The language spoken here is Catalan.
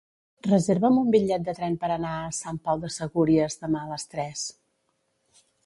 Reserva'm un bitllet de tren per anar a Sant Pau de Segúries demà a les tres.